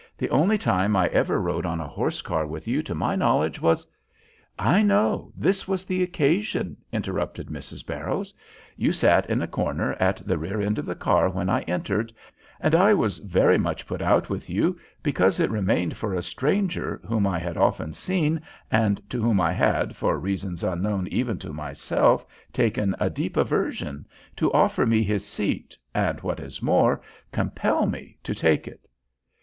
"The only time I ever rode on a horse car with you to my knowledge was " "I know; this was the occasion," interrupted Mrs. Barrows. "You sat in a corner at the rear end of the car when I entered, and I was very much put out with you because it remained for a stranger, whom I had often seen and to whom I had, for reasons unknown even to myself, taken a deep aversion, to offer me his seat, and, what is more, compel me to take it."